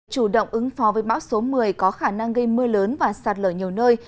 chủ động ứng phó với bão số một mươi có khả năng gây mưa lớn và sạt lở nhiều nơi